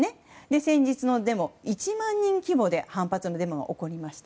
先日のデモ、１万人規模で反発のデモが起こりました。